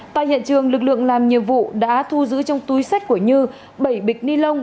tại hiện trường lực lượng làm nhiệm vụ đã thu giữ trong túi sách của như bảy bịch ni lông